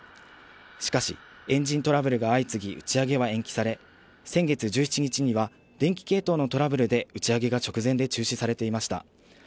しかし、エンジントラブルが相次ぎ、打ち上げは延期され、先月１７日には、電気系統のトラブルで打ち上げが直前で中止されていました。